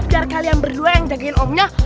biar kalian berdua yang jagain omnya